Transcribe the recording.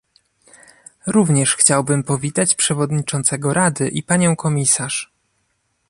Również chciałbym powitać przewodniczącego Rady i panią komisarz